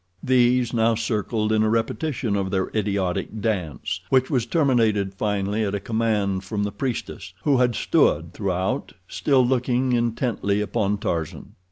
These now circled in a repetition of their idiotic dance, which was terminated finally at a command from the priestess, who had stood throughout, still looking intently upon Tarzan.